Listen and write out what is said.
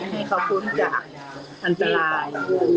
ให้เขาพ้นจากอันตราย